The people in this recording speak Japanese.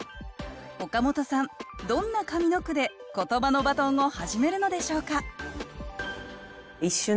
岡本さんどんな上の句でことばのバトンを始めるのでしょうか？